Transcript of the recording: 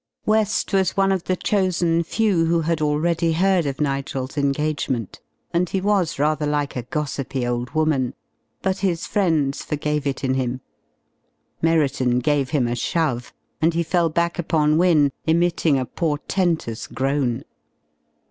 West was one of the chosen few who had already heard of Nigel's engagement, and he was rather like a gossipy old woman but his friends forgave it in him. Merriton gave him a shove, and he fell back upon Wynne, emitting a portentous groan.